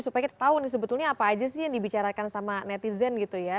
supaya kita tahu nih sebetulnya apa aja sih yang dibicarakan sama netizen gitu ya